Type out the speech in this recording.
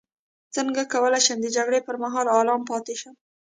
څنګه کولی شم د جګړې پر مهال ارام پاتې شم